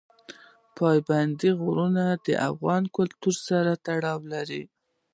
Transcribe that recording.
پابندی غرونه د افغان کلتور سره تړاو لري.